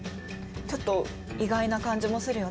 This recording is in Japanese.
ちょっと意外な感じもするよね？